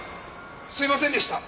すいませんでした！